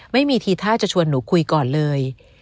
ไม่มีทีท่าจะชวนหนูคุยก่อนเลย